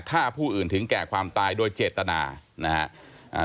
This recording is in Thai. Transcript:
ฆ่าผู้อื่นถึงแก่ความตายโดยเจตนานะครับ